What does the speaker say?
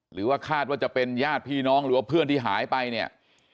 หรือว่าคาดว่าจะเป็นญาติพี่น้องหรือว่าเพื่อนที่หายไปเนี่ย